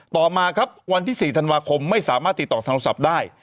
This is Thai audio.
ต่อมาครับวันที่๔ธันวาคมไม่สามารถติดต่อทางโทรศัพท์ได้